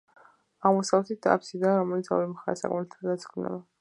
აღმოსავლეთით აფსიდია, რომლის ორივე მხარეს სამკვეთლო და სადიაკვნეა.